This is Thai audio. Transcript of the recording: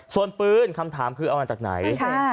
ส่วนปืนคำถามคือเอามาจากไหน